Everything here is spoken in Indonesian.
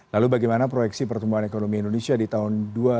lalu bagaimana proyeksi pertumbuhan ekonomi indonesia di tahun dua ribu dua puluh